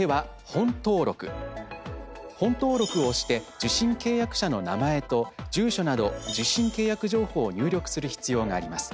「本登録」を押して受信契約者の名前と住所など受信契約情報を入力する必要があります。